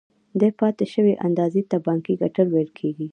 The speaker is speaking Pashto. دې پاتې شوې اندازې ته بانکي ګټه ویل کېږي